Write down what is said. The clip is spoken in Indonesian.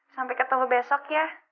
sampai ketemu besok ya